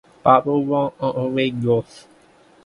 Paro won on away goals.